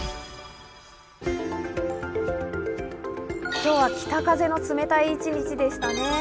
今日は北風の冷たい一日でしたね。